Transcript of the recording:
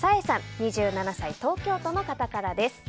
２７歳、東京都の方からです。